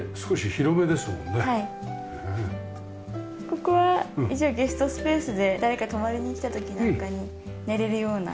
ここは一応ゲストスペースで誰か泊まりに来た時なんかに寝れるような。